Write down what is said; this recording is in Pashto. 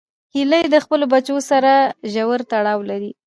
هیلۍ د خپلو بچو سره ژور تړاو لري